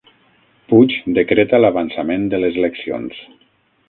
Puig decreta l'avançament de les eleccions